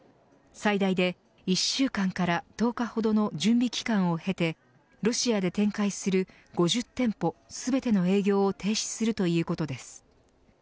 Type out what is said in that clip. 最大で１週間から１０日ほどの準備期間をへてロシアで展開する５０店舗全ての営業を停止するということです。